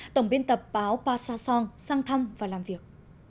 tổng biên tập báo pa sa son sang thăm và làm việc